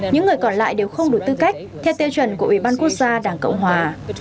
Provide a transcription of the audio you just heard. những người còn lại đều không đủ tư cách theo tiêu chuẩn của ủy ban quốc gia đảng cộng hòa